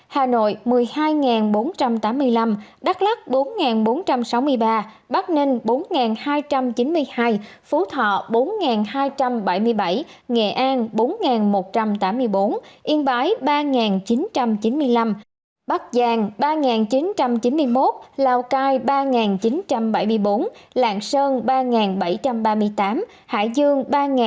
hà nội một mươi hai bốn trăm tám mươi năm đắk lắc bốn bốn trăm sáu mươi ba bắc ninh bốn hai trăm chín mươi hai phú thọ bốn hai trăm bảy mươi bảy nghệ an bốn một trăm tám mươi bốn yên bái ba chín trăm chín mươi năm bắc giang ba chín trăm chín mươi một lào cai ba chín trăm bảy mươi bốn lạng sơn ba bảy trăm ba mươi tám hải dương ba bốn trăm năm mươi chín